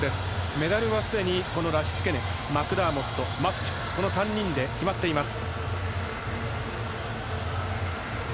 メダルはすでにラシツケネ、マクダーモットマフチフこの３人で決まっています。